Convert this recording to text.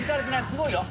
すごいよ。